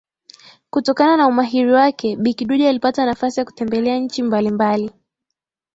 Kutokana na umahiri wake bi kidude alipata nafasi ya kutembelea nchi mbalimbali